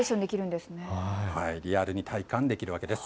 リアルに体感できるわけです。